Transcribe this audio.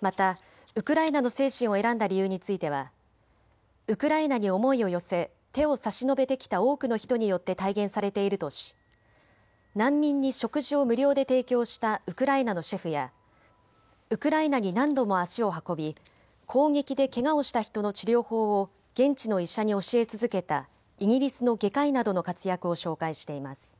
またウクライナの精神を選んだ理由についてはウクライナに思いを寄せ手を差し伸べてきた多くの人によって体現されているとし、難民に食事を無料で提供したウクライナのシェフやウクライナに何度も足を運び攻撃でけがをした人の治療法を現地の医者に教え続けたイギリスの外科医などの活躍を紹介しています。